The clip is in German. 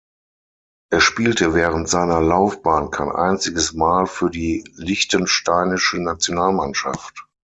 Er spielte während seiner Laufbahn kein einziges Mal für die liechtensteinische Nationalmannschaft.